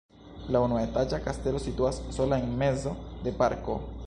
La unuetaĝa kastelo situas sola en mezo de parko.